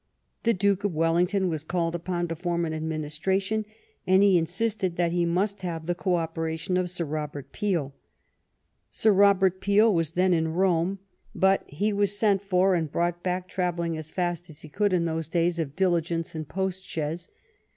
The Duke of Wellington was called upon to form an administration, and he insisted that he must have the co operation of Sir Robert Peel. Sir Robert Peel was then in Rome, but he was sent 52 THE STORY OF GLADSTONE'S LIFE for and brought back, travelling as fast as he could in those days of diligence and post chaise.